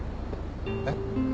えっ？